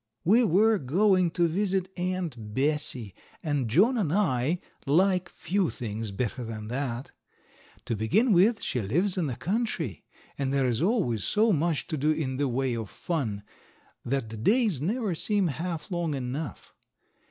We were going to visit Aunt Bessie, and John and I like few things better than that. To begin with, she lives in the country, and there is always so much to do in the way of fun that the days never seem half long enough.